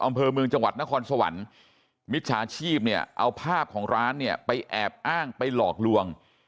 อำเภอเมืองจังหวัดนครสวรรค์มิจฉาชีพเนี่ยเอาภาพของร้านเนี่ยไปแอบอ้างไปหลอกลวง